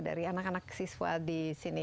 dari anak anak siswa di sini